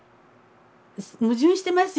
矛盾してますよね。